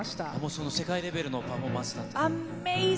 その世界レベルのパフォーマンスだったと。